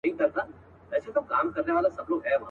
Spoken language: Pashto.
باران به اوري څوک به ځای نه درکوینه.